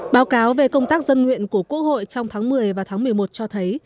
báo cáo về công tác dân nguyện của quốc hội trong tháng một mươi và tháng một mươi một cho thấy